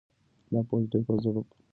دا پوسټ ډېر په زړه پورې دی.